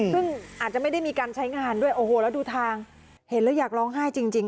ซึ่งอาจจะไม่ได้มีการใช้งานด้วยโอ้โหแล้วดูทางเห็นแล้วอยากร้องไห้จริง